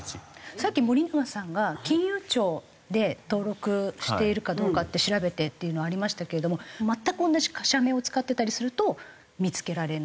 さっき森永さんが金融庁で登録しているかどうかって調べてっていうのありましたけれども全く同じ社名を使っていたりすると見付けられない？